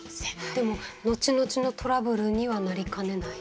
でも後々のトラブルにはなりかねない？